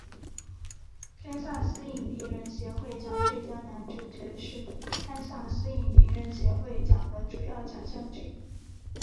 堪萨斯影评人协会奖最佳男主角是堪萨斯影评人协会奖的主要奖项之一。